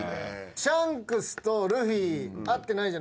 シャンクスとルフィ会ってないじゃないですか。